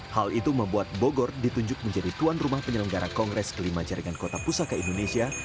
hal itu membuat bogor ditunjuk menjadi tuan rumah penyelenggara kongres kelima jaringan kota pusaka indonesia